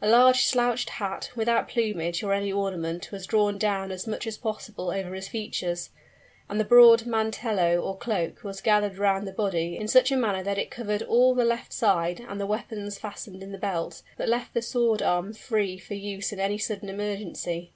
A large slouched hat, without plumage or any ornament, was drawn down as much as possible over his features; and the broad mantello, or cloak, was gathered round the body in such a manner that it covered all the left side and the weapons fastened in the belt, but left the sword arm free for use in any sudden emergency.